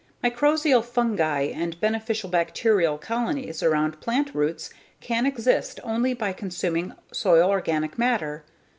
Mycorrhizal fungi and beneficial bacterial colonies around plant roots can exist only by consuming soil organic matter.